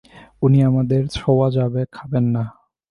উনি আমাদের ছোঁওয়া খাবেন না।